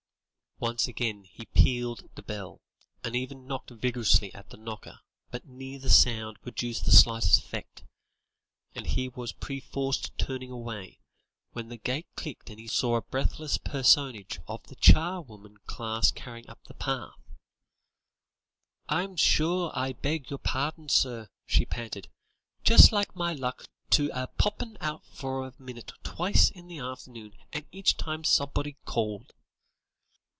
Once again he pealed the bell, and even knocked vigorously at the knocker, but neither sound produced the slightest effect, and he was perforce turning away, when the gate clicked and he saw a breathless personage of the charwoman class hurrying up the path. "I'm sure I beg your parding, sir," she panted; "just like my luck to a' popped out for a minute twice in the afternoon, and each time somebody called."